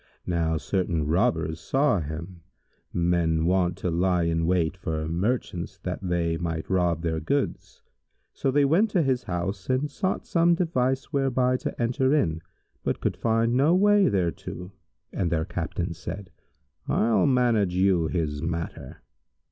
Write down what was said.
Now certain Robbers saw him, men wont to lie in wait for merchants, that they might rob their goods; so they went to his house and sought some device whereby to enter in, but could find no way thereto, and their Captain said, "I'll manage you his matter."